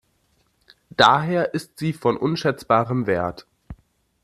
Daher ist sie von unschätzbarem Wert.